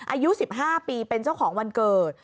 อายุ๑๕ปีเป็นเจ้าของวันเกิด